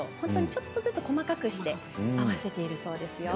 ちょっとずつ細かくして合わせているそうですよ。